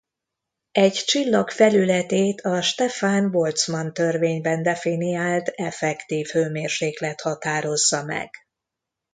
Egy csillag felületét a Stefan–Boltzmann-törvényben definiált effektív hőmérséklet határozza meg.